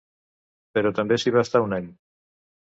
Però també s'hi va estar un any.